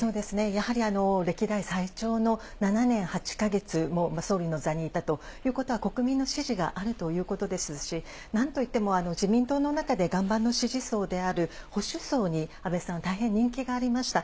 やはり歴代最長の７年８か月、総理の座にいたということは、国民の支持があるということですし、なんといっても自民党の中で岩盤の支持層である保守層に安倍さんは大変人気がありました。